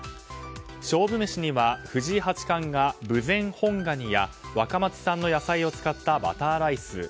勝負メシには藤井八冠が豊前本ガニや若松産の野菜を使ったバターライス。